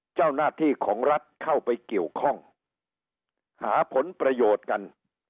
เจ้าหน้าที่ของรัฐเข้าไปเกี่ยวข้องหาผลประโยชน์กัน